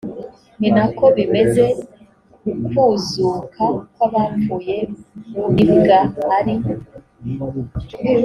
ni na ko bimeze ku kuzuka kw abapfuye b ubibwa ari